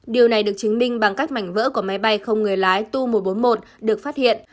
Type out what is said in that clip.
điều này được chứng minh bằng cách mảnh vỡ của máy bay không người lái tu một trăm bốn mươi một được phát hiện